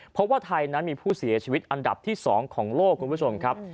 พบว่าไทยนั้นมีผู้เสียชีวิตอันดับที่๒ของโลกคุณผู้ชมครับ